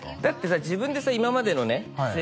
だってさ自分でさ今までのね